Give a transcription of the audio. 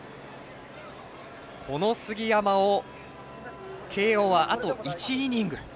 この杉山を慶応はあと１イニング。